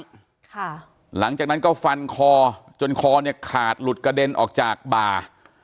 หลังจากนั้นก็ฟันคอจนคอเนี่ยขาดหลุดกระเด็นออกจากบ่า